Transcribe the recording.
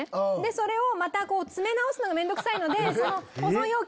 それをまた詰め直すのが面倒くさいので。